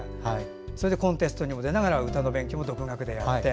それでコンテストにも出ながら、歌の勉強も独学でやって。